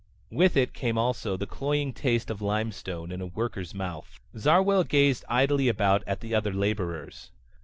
With it came also the cloying taste of limestone in a worker's mouth. Zarwell gazed idly about at the other laborers.